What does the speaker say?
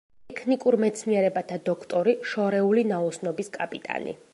ტექნიკურ მეცნიერებათა დოქტორი, შორეული ნაოსნობის კაპიტანი.